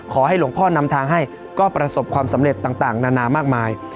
ขอให้หลวงพ่อนำทางให้ก็ประสบความสำเร็จต่างนานามากมาย